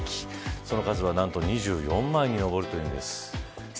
その数は何と２４枚に上るというんです。